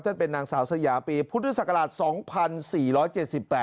เป็นนางสาวสยาปีพุทธศักราช๒๔๗๘